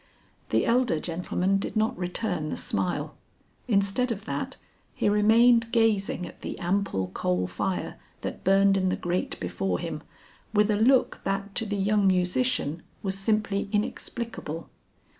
The elder gentleman did not return the smile. Instead of that he remained gazing at the ample coal fire that burned in the grate before him with a look that to the young musician was simply inexplicable.